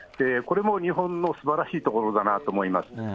これも日本のすばらしいところだなと思います。